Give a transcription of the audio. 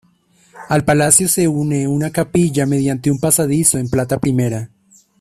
Al palacio se une una capilla mediante un pasadizo en plata primera.